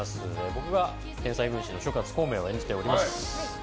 僕が天才軍師の諸葛孔明を演じております。